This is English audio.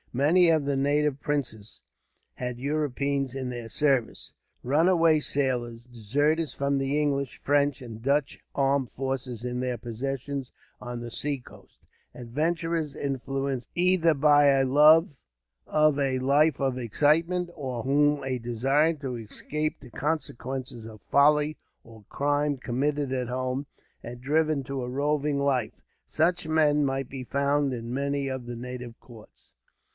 Many of the native princes had Europeans in their service. Runaway sailors, deserters from the English, French, and Dutch armed forces in their possessions on the seacoast, adventurers influenced either by a love of a life of excitement, or whom a desire to escape the consequences of folly or crime committed at home had driven to a roving life such men might be found in many of the native courts.